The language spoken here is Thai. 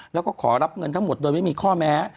แล้วก็ขอรับเงินทั้งหมดโดยไม่มีข้อแม้